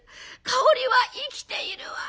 香織は生きているわ。